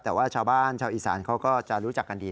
แต่ว่าชาวบ้านชาวอีสานเขาก็จะรู้จักกันดี